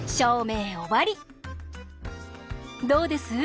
どうです？